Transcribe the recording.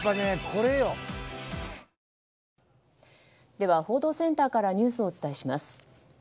では、報道センターからニュースをお伝えします。